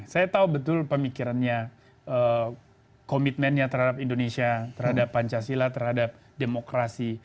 saya tahu betul pemikirannya komitmennya terhadap indonesia terhadap pancasila terhadap demokrasi